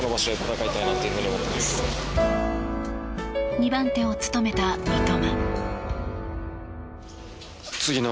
２番手を務めた三笘。